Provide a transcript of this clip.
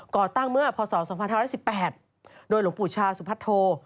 ่อตั้งเมื่อพศ๒๕๑๘โดยหลวงปู่ชาสุพัทโธ